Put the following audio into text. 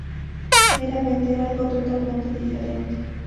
Era vender algo totalmente diferente.